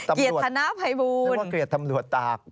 นึกว่าเกลียดธนภัยบุญนึกว่าเกลียดธนภัยบุญ